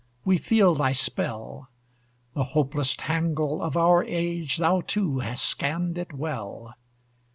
we feel thy spell! The hopeless tangle of our age, Thou too hast scanned it well!